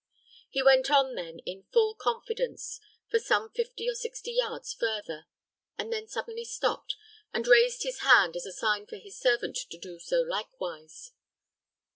He went on then, in full confidence, for some fifty or sixty yards further; but then suddenly stopped, and raised his hand as a sign for his servant to do so likewise.